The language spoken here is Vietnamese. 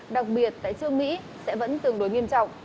đặc biệt tại trương mỹ sẽ vẫn tương đối nghiêm trọng